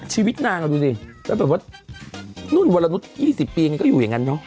ชีวิตนางก็ดูสิและแบบว่านู้นวรนุษย์๒๐ปีอย่างนี้ก็อยู่อย่างนั้นเนอะ